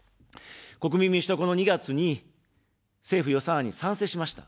国民民主党は、この２月に政府予算案に賛成しました。